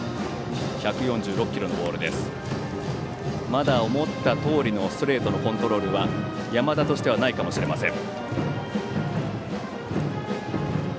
まだ思ったとおりのストレートのコントロールは山田としてはないかもしれません。